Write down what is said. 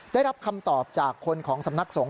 ได้รับคำตอบจากคนของสำนักสงฆ